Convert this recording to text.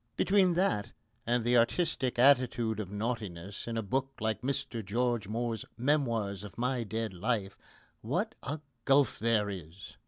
Between that and the artistic attitude of naughtiness in a book like Mr George Moore's Memoirs of My Dead Life, what a gulf there is!